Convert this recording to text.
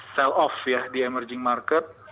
sell of ya di emerging market